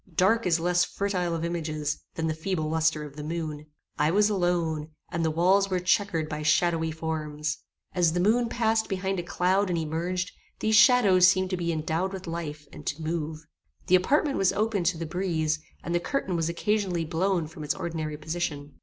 Dark is less fertile of images than the feeble lustre of the moon. I was alone, and the walls were chequered by shadowy forms. As the moon passed behind a cloud and emerged, these shadows seemed to be endowed with life, and to move. The apartment was open to the breeze, and the curtain was occasionally blown from its ordinary position.